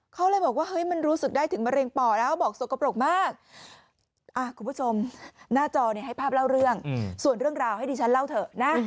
คุณผู้ชมหน้าจอให้ภาพเล่าเรื่องส่วนเรื่องราวให้ดิฉันเล่าเถอะนะ